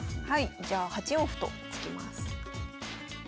じゃあ８四歩と突きます。